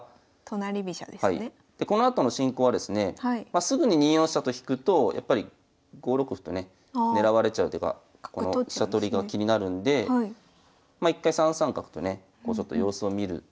でこのあとの進行はですねすぐに２四飛車と引くと５六歩とね狙われちゃう手がこの飛車取りが気になるんで一回３三角とね様子を見る手が有力なんですが。